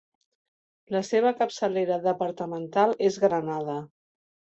La seva capçalera departamental és Granada.